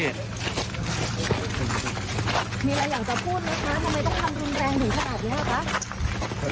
เป็นอะไรอย่างจะพูดไหมคะคิดว่าทำรุนแรงไหม